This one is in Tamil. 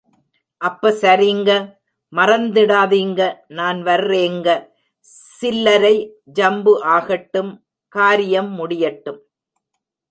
அப்ப சரிங்க, மறந்திடாதிங்க நான் வர்ரேங்க, சில்லரை... ஜம்பு ஆகட்டும் காரியம் முடியட்டும்.